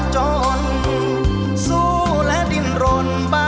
ช่วยฝังดินหรือกว่า